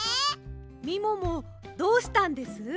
みももどうしたんです？